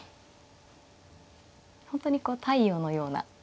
本当にこう太陽のような方ですよね。